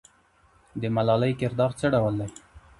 د ملالۍ کردار څه ډول دی؟